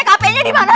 tkp nya dimana